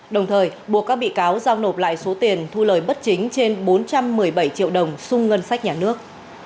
đồng thời buộc các bị cáo giao nộp lại số tiền thu lời bất chính trên bốn trăm một mươi bảy triệu đồng sung ngân sách nhà nước